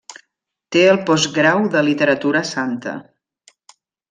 Té el postgrau de Literatura Santa.